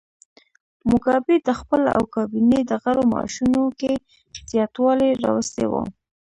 موګابي د خپل او کابینې د غړو معاشونو کې زیاتوالی راوستی و.